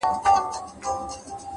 د حقیقت درک زړورتیا غواړي؛